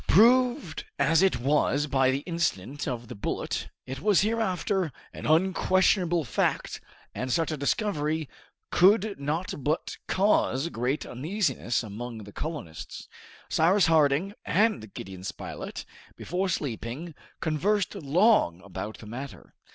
Proved as it was by the incident of the bullet, it was hereafter an unquestionable fact, and such a discovery could not but cause great uneasiness among the colonists. Cyrus Harding and Gideon Spilett, before sleeping, conversed long about the matter.